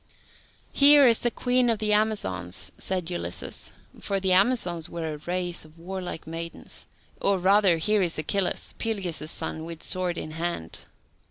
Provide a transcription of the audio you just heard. "Here is the Queen of the Amazons," said Ulysses for the Amazons were a race of warlike maidens "or rather here is Achilles, Peleus' son, with sword in hand."